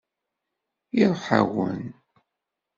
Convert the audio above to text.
Iṛuḥ-awen.